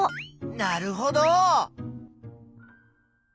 なるほど。